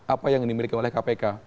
apa yang dimiliki oleh kpk